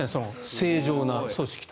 正常な組織と。